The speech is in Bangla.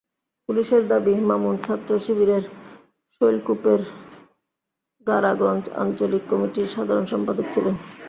পুলিশের দাবি, মামুন ছাত্রশিবিরের শৈলকুপার গাড়াগঞ্জ আঞ্চলিক কমিটির সাধারণ সম্পাদক ছিলেন।